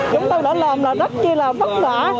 chúng tôi đã làm là rất là vất vả